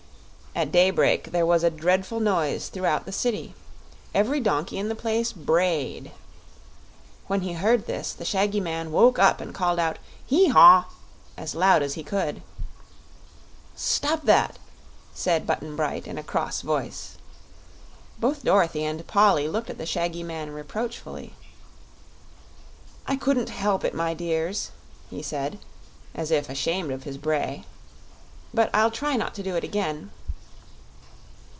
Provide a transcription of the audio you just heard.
At daybreak there was a dreadful noise throughout the city. Every donkey in the place brayed. When he heard this the shaggy man woke up and called out "Hee haw!" as loud as he could. "Stop that!" said Button Bright, in a cross voice. Both Dorothy and Polly looked at the shaggy man reproachfully. "I couldn't help it, my dears," he said, as if ashamed of his bray; "but I'll try not to do it again."